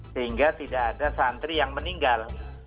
sehingga tidak ada santri yang meninggal